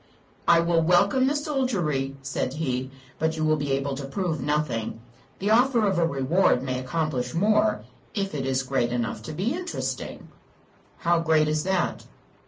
"I will welcome the soldiery," said he; "but you will be able to prove nothing. The offer of a reward may accomplish more if it is great enough to be interesting." "How great is that?"